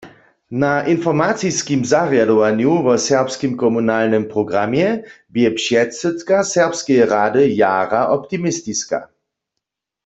Na informaciskim zarjadowanju wo Serbskim komunalnym programje bě předsydka serbskeje rady jara optimistiska.